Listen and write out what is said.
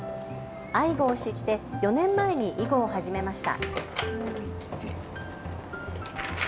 アイゴを知って４年前に囲碁を始めました。